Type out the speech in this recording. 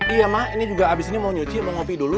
iya mak ini juga abis ini mau nyuci mau ngopi dulu